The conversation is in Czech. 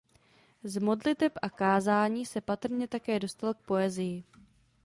Z modliteb a kázání se patrně také dostal k poezii.